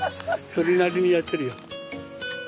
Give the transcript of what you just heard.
それなりにやってるよ。